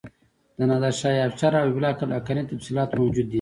د نادر شاه افشار او حبیب الله کلکاني تفصیلات موجود دي.